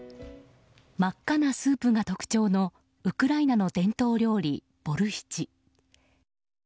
真っ赤なスープが特徴のウクライナの伝統料理ボルシチ。